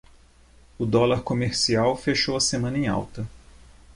O dólar comercial fechou a semana em alta